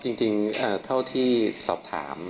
คือชาวแบบแดงมันก็เลยทำให้เกิดอาจารย์ดีหรือเปล่าไหมครับ